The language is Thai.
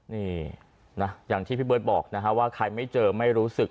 นี่นะอย่างที่พี่เบิร์ตบอกนะฮะว่าใครไม่เจอไม่รู้สึก